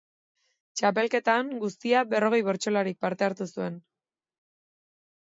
Txapelketan guztira berrogei bertsolarik parte hartu zuten.